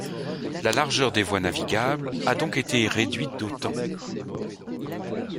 La largeur des voies navigables a donc été réduite d'autant.